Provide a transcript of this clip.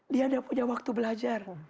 dia tidak punya waktu belajar